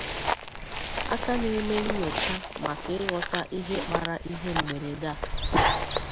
A ka na-eme nnyocha maka ighọta ihe kpara ihe mberede a